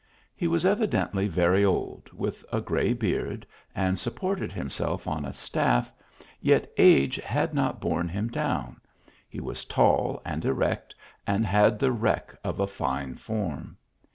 He was evidently very old, with a gray beard, and supported himself on a staff, yet age had not borne him down ; he was tall and erect, and had the wreck of a fine form.